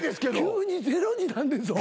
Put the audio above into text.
急にゼロになんねんぞ。